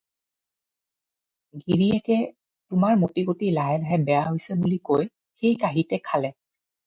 "গিৰীয়েকে-"তোমাৰ মতি-গতি লাহে লাহে বেয়া হৈছে" বুলি কৈ সেই কাঁহীতে খালে।"